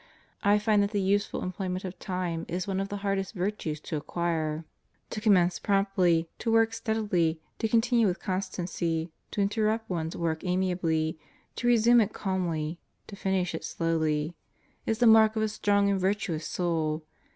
... I find that the useful employment of time is one of the hardest virtues to acquire. "To commence promptly, to work steadily, to continue with constancy, to interrupt one's work amiably, to resume it calmly, to finish it slowly 1 is the mark of a strong and virtuous soul."